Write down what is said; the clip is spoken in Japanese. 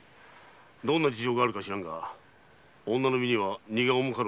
どんな事情か知らんが女の身には荷が重かろう。